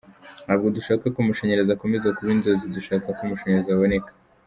"Ntabwo dushaka ko amashanyarazi akomeza kuba inzozi, dushaka ko amashanyarazi aboneaka.